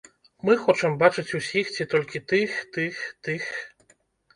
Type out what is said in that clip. Мы хочам бачыць усіх ці толькі тых, тых, тых.